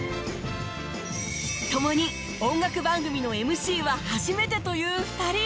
共に音楽番組の ＭＣ は初めてという２人